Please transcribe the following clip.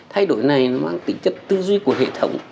thay đổi này nó mang tính chất tư duy của hệ thống